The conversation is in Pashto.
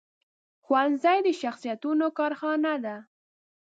ښوونځی د شخصیتونو کارخانه ده